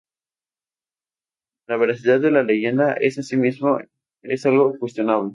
La veracidad de la leyenda en sí mismo es algo cuestionable.